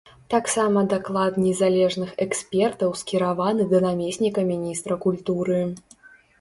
Таксама даклад незалежных экспертаў скіраваны да намесніка міністра культуры.